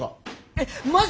えっマジ！？